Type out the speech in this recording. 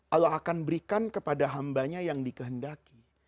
allah akan berikan kepada hambanya yang dikehendaki